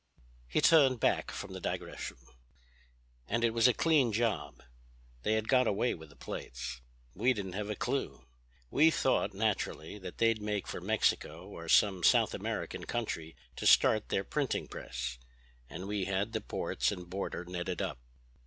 He turned back from the digression: "And it was a clean job. They had got away with the plates. We didn't have a clew. We thought, naturally, that they'd make for Mexico or some South American country to start their printing press. And we had the ports and border netted up.